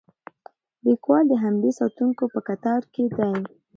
لیکوال د همدې ساتونکو په کتار کې دی.